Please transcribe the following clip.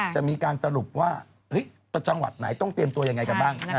จะมีการสรุปว่าจังหวัดไหนต้องเตรียมตัวยังไงกันบ้าง